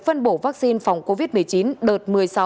phân bổ vaccine phòng covid một mươi chín đợt một mươi sáu